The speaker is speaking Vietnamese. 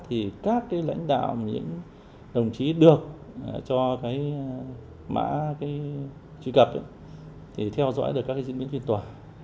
thì các lãnh đạo những đồng chí được cho mã truy cập theo dõi được các diễn biến phiên tòa